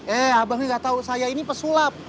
eh abangnya gatau saya ini pesulap